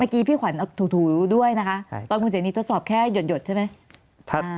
เมื่อกี้พี่ขวัญถูด้วยนะคะตอนคุณเสียงนี้ทดสอบแค่หยดใช่ไหม